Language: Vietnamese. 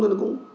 thế nên cũng